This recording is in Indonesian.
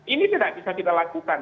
ini tidak bisa kita lakukan